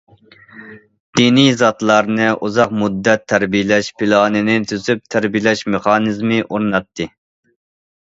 دىنىي زاتلارنى ئۇزاق مۇددەت تەربىيەلەش پىلانىنى تۈزۈپ، تەربىيەلەش مېخانىزمى ئورناتتى.